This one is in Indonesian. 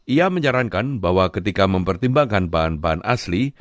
ia menyarankan bahwa ketika mempertimbangkan bahan bahan asli